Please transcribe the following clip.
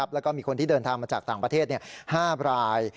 แล้วก็มีคนที่เดินทางมาจากต่างประเทศ๕ราย